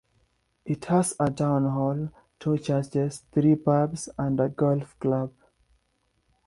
It has a Town Hall, two churches, three pubs, and a golf club.